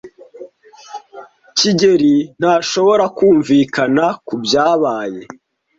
kigeli ntashobora kumvikana kubyabaye.